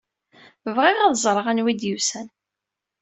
Bɣiɣ ad ẓreɣ anwa i d-yusan.